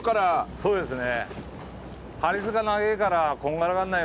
そうですね。